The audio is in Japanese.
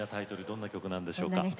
どんな曲なんでしょうか？